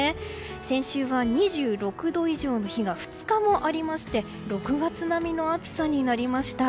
先週は２６度以上の日が２日もありまして６月並みの暑さになりました。